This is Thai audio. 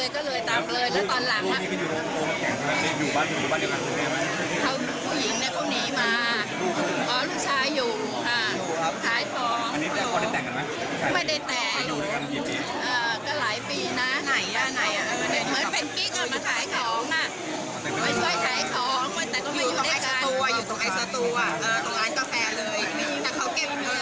ก็หลายปีนะเหมือนเป็นกิ๊กมาถ่ายของมาช่วยถ่ายของอยู่ตรงไอซาตูอาออกร้านกาแฟเลย